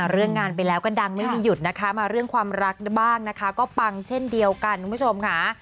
เรื่องงานไปแล้วก็ดังไม่มีหยุดนะคะมาเรื่องความรักบ้างนะคะก็ปังเช่นเดียวกันคุณผู้ชมค่ะ